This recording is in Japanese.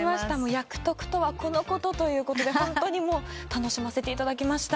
役得とはこのことということでホントにもう楽しませていただきました。